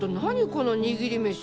この握り飯。